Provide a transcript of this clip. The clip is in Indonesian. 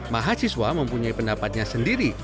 mahasiswa mempunyai pendapatnya sendiri